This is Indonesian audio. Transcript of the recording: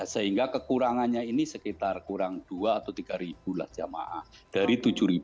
sehingga kekurangannya ini sekitar kurang dua atau tiga ribu jemaah dari tujuh tiga ratus enam puluh